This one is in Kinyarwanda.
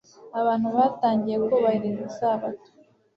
abantu batangiye kubahiriza Isabato